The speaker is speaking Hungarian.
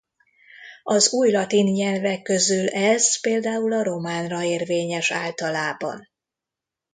Az újlatin nyelvek közül ez például a románra érvényes általában.